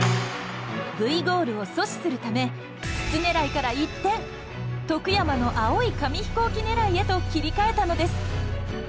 Ｖゴールを阻止するため筒狙いから一転徳山の青い紙飛行機狙いへと切り替えたのです。